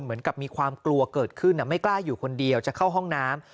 เหมือนกับมีความกลัวเกิดขึ้นไม่กล้าอยู่คนเดียวจะเข้าห้องน้ำ